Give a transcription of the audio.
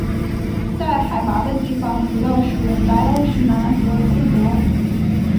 在海拔的地方主要是白欧石楠和刺柏。